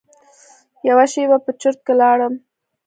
یوه شېبه په چرت کې لاړم.